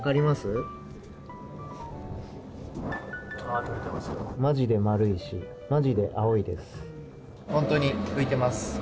まじで丸いし、まじで青いです。